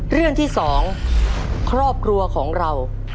เรื่องที่๒ครอบครัวของเรา